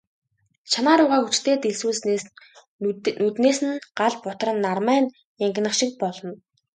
Шанаа руугаа хүчтэй дэлсүүлснээс нүднээс нь гал бутран, нармай нь янгинах шиг болно.